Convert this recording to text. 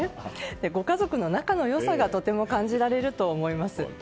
ご家族の仲の良さがとても感じられると思います。